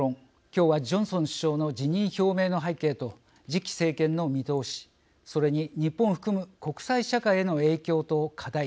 きょうは、ジョンソン首相の辞任表明の背景と次期政権の見通し、それに日本を含む国際社会への影響と課題